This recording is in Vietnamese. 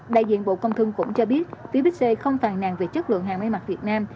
đại diện bộ công thương cũng cho biết phía bixi không phàn nàn về chất lượng hàng mây mặt việt nam